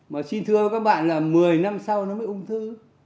mà xin thưa các bạn là mười năm sau nó mới ung thư